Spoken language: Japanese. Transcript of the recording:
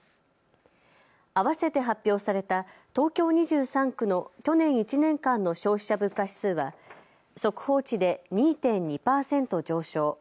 あわせて発表された東京２３区の去年１年間の消費者物価指数は速報値で２．２％上昇。